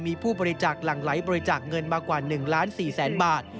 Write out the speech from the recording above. มีผู้บริจาคหลั่งไหลบริจาคเงินมากว่า๑ล้าน๔แสนบาท